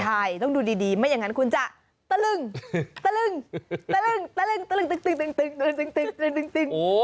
ใช่ต้องดูดีไม่อย่างนั้นคุณจะตะลึงตะลึงตะลึงตะลึง